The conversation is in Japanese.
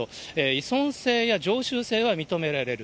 依存性や常習性は認められる。